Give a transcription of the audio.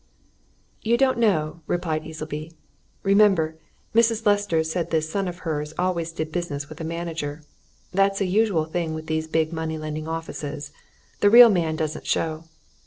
"You don't know," replied Easleby. "Remember, Mrs. Lester said this son of hers always did business with a manager. That's a usual thing with these big money lending offices the real man doesn't show.